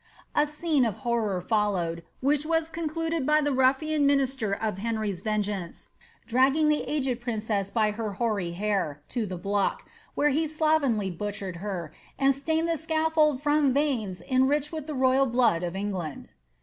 A scene of horror followed, which was concluded by the ruflkn minifter of Henry's vengeance dragging the aged princess by her hoary hair to the block, where he ^ slovenly butchered her, and stained the scaflbU from veins enriched with all the royal blood of England."